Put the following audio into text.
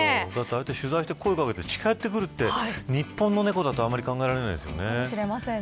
取材して声を掛けて近寄ってくるって日本の猫だとあんまり考えられませんよね。